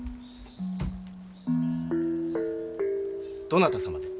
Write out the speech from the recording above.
どなた様で？